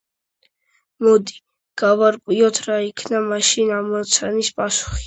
მოდი, გავარკვიოთ რა იქნება მაშინ ამოცანის პასუხი.